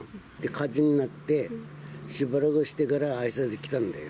火事になってしばらくしてから、あいさつに来たんだよ。